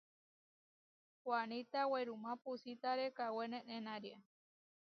Waníta werumá puusítare kawé nenenária.